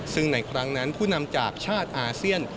ซึ่งในครั้งนั้นผู้นำจากชาติอาเซียน